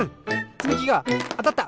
つみきがあたった！